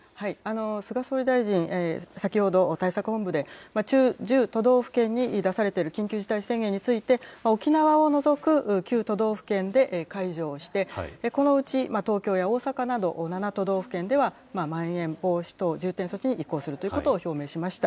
菅総理大臣、先ほど対策本部で、１０都道府県に出されている緊急事態宣言について、沖縄を除く９都道府県で解除をして、このうち東京や大阪など、７都道府県では、まん延防止等重点措置に移行するということを表明しました。